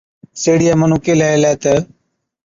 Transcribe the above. سيهڙِيئَي مُنُون ڪيهلَي هِلَي تہ،